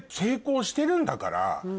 してるんだから。